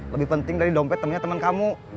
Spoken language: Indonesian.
lebih penting dari dompet temennya teman kamu